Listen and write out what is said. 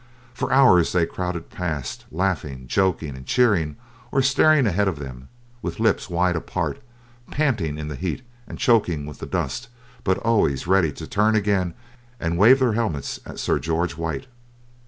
For hours they crowded past, laughing, joking, and cheering, or staring ahead of them, with lips wide apart, panting in the heat and choking with the dust, but always ready to turn again and wave their helmets at Sir George White.